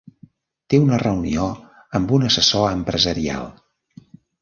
Té una reunió amb un assessor empresarial.